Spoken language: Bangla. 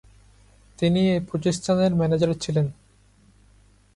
তিনি এ প্রতিষ্ঠানের ম্যানেজার ছিলেন।